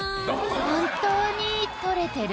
本当に撮れてる？